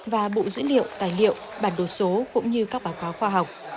và bộ dữ liệu tài liệu bản đồ số cũng như các báo cáo khoa học